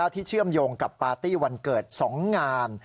เชื่อมโยงกับปาร์ตี้วันเกิด๒งาน